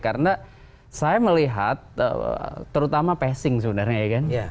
karena saya melihat terutama passing sebenarnya ya kan